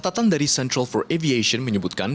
catatan dari central for aviation menyebutkan